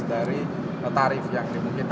dari tarif yang dimungkinkan